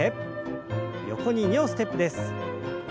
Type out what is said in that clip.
横に２歩ステップです。